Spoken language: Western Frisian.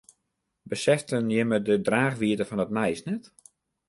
Beseften jimme de draachwiidte fan it nijs net?